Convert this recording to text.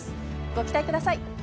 ご期待ください。